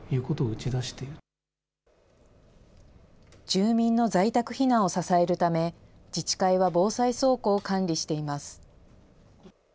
住民の在宅避難を支えるため、自治会は防災倉庫を管理しています。